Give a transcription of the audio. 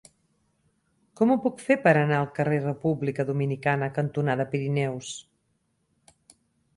Com ho puc fer per anar al carrer República Dominicana cantonada Pirineus?